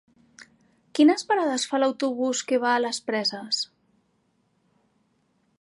Quines parades fa l'autobús que va a les Preses?